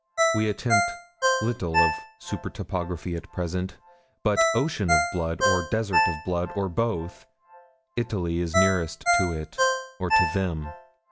We attempt little of super topography, at present, but Ocean of Blood, or Desert of Blood or both Italy is nearest to it or to them.